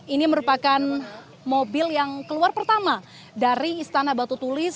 ini merupakan mobil yang keluar pertama dari istana batu tulis